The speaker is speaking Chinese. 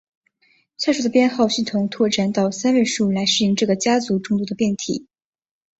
下述的编号系统拓展到三位数来适应这个家族众多的变体。